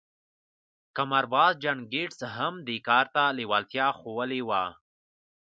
قمارباز جان ګيټس هم دې کار ته لېوالتيا ښوولې وه.